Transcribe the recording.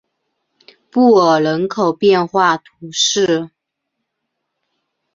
布尔人口变化图示